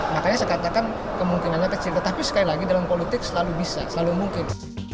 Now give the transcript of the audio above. makanya saya katakan kemungkinannya kecil tetapi sekali lagi dalam politik selalu bisa selalu mungkin